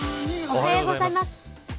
おはようございます。